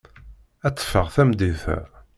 Ad teffeɣ tameddit-a.